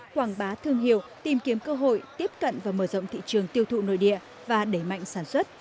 quảng bá thương hiệu tìm kiếm cơ hội tiếp cận và mở rộng thị trường tiêu thụ nội địa và đẩy mạnh sản xuất